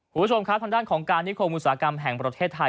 คุณผู้ชมครับทางด้านของการนิคมอุตสาหกรรมแห่งประเทศไทย